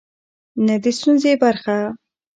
نه د ستونزې برخه.